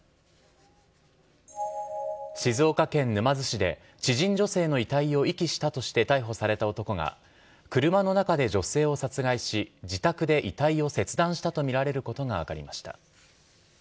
静岡県沼津市で知人女性の遺体を遺棄したとして逮捕された男が、車の中で女性を殺害し、自宅で遺体を切断したと見られることが分かりました。